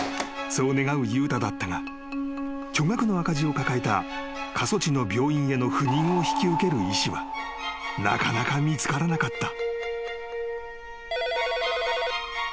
［そう願う悠太だったが巨額の赤字を抱えた過疎地の病院への赴任を引き受ける医師はなかなか見つからなかった］